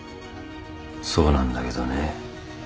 そうなんだけどね。